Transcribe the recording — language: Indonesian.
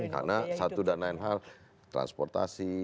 karena satu dan lain hal transportasi